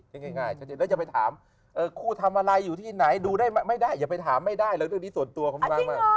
แล้วอย่าไปถามคู่ทำอะไรอยู่ที่ไหนดูได้ไม่ได้อย่าไปถามไม่ได้แล้วเรื่องนี้ส่วนตัวของพี่มา